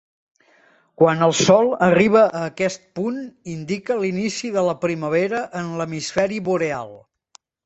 Quan el Sol arriba a aquest punt, indica l'inici de la primavera en l'hemisferi boreal.